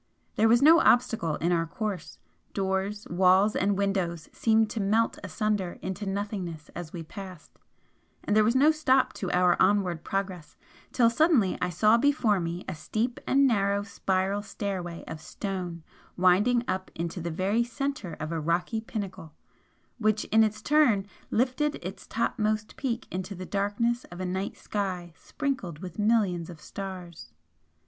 There was no obstacle in our course, doors, walls and windows seemed to melt asunder into nothingness as we passed and there was no stop to our onward progress till suddenly I saw before me a steep and narrow spiral stairway of stone winding up into the very centre of a rocky pinnacle, which in its turn lifted its topmost peak into the darkness of a night sky sprinkled with millions of stars.